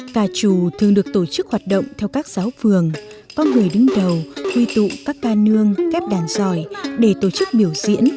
ca trù thường được tổ chức hoạt động theo các giáo phường con người đứng đầu quy tụ các ca nương kép đàn giỏi để tổ chức biểu diễn